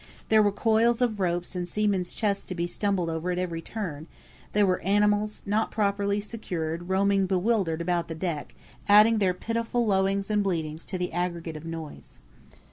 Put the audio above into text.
There were coils of ropes and seamen's chests to be stumbled over at every turn; there were animals, not properly secured, roaming bewildered about the deck, adding their pitiful lowings and bleatings to the aggregate of noises.